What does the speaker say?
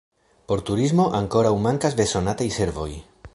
Por turismo ankoraŭ mankas bezonataj servoj.